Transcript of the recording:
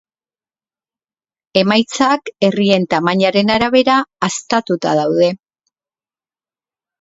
Emaitzak herrien tamainaren arabera haztatuta daude.